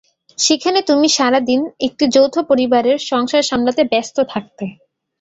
সেখানে তুমি সারা দিন একটি যৌথ পরিবারের সংসার সামলাতে ব্যস্ত থাকতে।